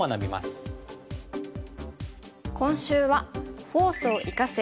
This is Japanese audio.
今週は「フォースを生かせ！